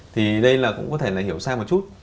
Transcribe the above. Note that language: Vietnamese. thì đây cũng có thể hiểu sang một chút